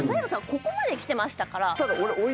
ここまで来てましたから。